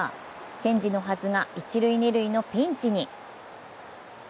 チェンジのはずが一・二塁のピンチに。